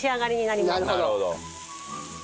なるほど。